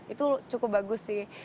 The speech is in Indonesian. itu cukup bagus sih